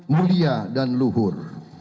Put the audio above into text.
mulia dan luhur